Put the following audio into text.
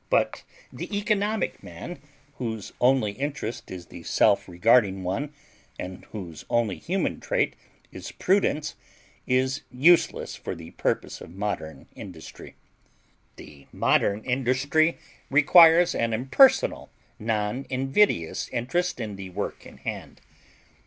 But the "economic man," whose only interest is the self regarding one and whose only human trait is prudence is useless for the purposes of modern industry. The modern industry requires an impersonal, non invidious interest in the work in hand.